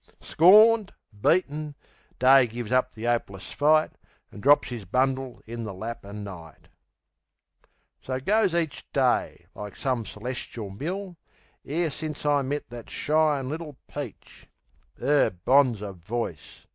Scorned, beaten, Day gives up the 'opeless fight, An' drops 'is bundle in the lap o' Night. So goes each day, like some celeschil mill, E'er since I met that shyin' little peach. 'Er bonzer voice!